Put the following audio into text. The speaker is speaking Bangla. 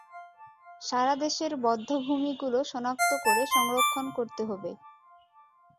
সারা দেশের বধ্যভূমিগুলো শনাক্ত করে সংরক্ষণ করতে হবে।